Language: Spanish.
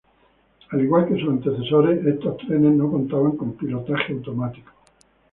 Al igual que sus antecesores, estos trenes no contaban con pilotaje automático.